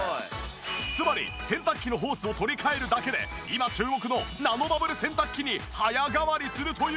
つまり洗濯機のホースを取り換えるだけで今注目のナノバブル洗濯機に早変わりするというわけ！